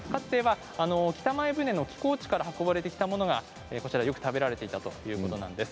北前船の寄港地から運ばれてきたものが、よく食べられていたということなんです。